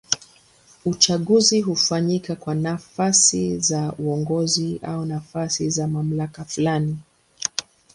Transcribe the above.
Uchaguzi hufanyika kwa nafasi za uongozi au nafasi za mamlaka fulani.